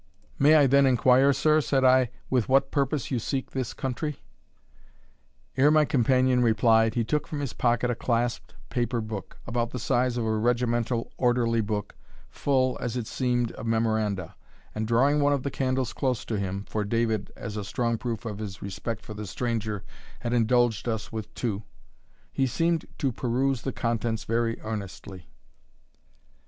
"May I then inquire, sir," said I, "with what purpose you seek this country?" Ere my companion replied, he took from his pocket a clasped paper book, about the size of a regimental orderly book, full, as it seemed, of memoranda; and, drawing one of the candles close to him, (for David, as a strong proof of his respect for the stranger, had indulged us with two,) he seemed to peruse the contents very earnestly.